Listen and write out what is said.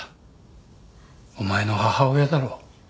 お前の母親だろう。